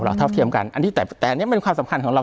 เราเท่าเทียมกันแต่อันนี้มันความสัมพันธ์ของเรา